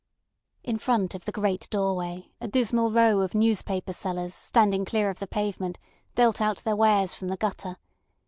In front of the great doorway a dismal row of newspaper sellers standing clear of the pavement dealt out their wares from the gutter.